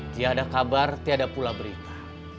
tiada kabar tiada pula berita